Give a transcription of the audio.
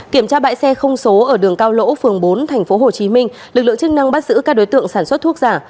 kiểm tra bãi xe không số ở đường cao lỗ phường bốn tp hcm lực lượng chức năng bắt giữ các đối tượng sản xuất thuốc giả